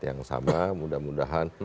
yang sama mudah mudahan